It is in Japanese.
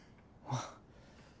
あっ。